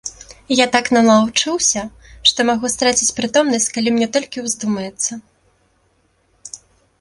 Я так налаўчыўся, што магу страціць прытомнасць, калі мне толькі ўздумаецца.